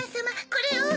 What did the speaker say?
これを！